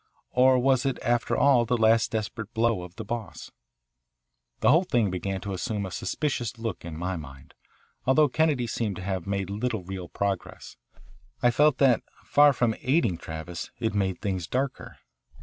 Or was it after all the last desperate blow of the Boss? The whole thing began to assume a suspicious look in my mind. Although Kennedy seemed to have made little real progress, I felt that, far from aiding Travis, it made things darker.